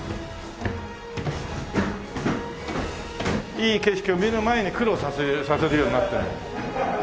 いい景色を見る前に苦労させるようになってるんだ。